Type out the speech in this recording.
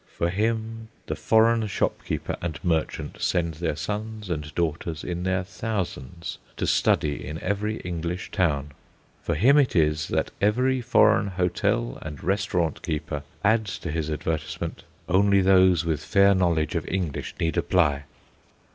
For him the foreign shopkeeper and merchant send their sons and daughters in their thousands to study in every English town. For him it is that every foreign hotel and restaurant keeper adds to his advertisement: "Only those with fair knowledge of English need apply."